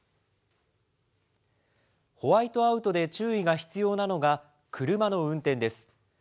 ホワイトアウトで注意が必要なのが車の運転です。